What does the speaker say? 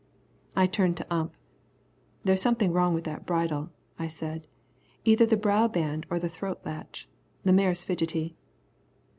I turned to Ump. "There's something wrong with that bridle," I said. "Either the brow band or the throat latch. The mare's fidgety."